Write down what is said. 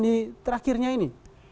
di terakhirnya ini